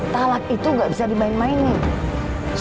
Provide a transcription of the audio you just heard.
talak itu gak bisa dibain main nih